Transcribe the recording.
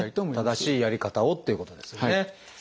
正しいやり方をということですよね。